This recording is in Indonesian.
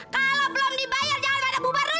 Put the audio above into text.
kalau belum dibayar jangan pada bubar dulu